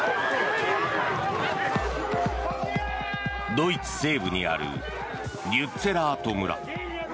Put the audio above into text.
ドイツ西部にあるリュッツェラート村。